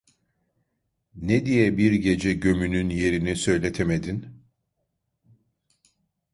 Ne diye bir gece gömünün yerini söyletemedin?